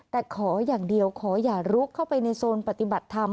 แต่ขออย่างเดียวขออย่าลุกเข้าไปในโซนปฏิบัติธรรม